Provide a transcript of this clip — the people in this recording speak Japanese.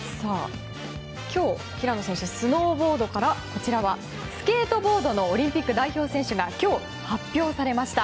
今日、平野選手はスノーボードからスケートボードのオリンピック代表選手が今日、発表されました。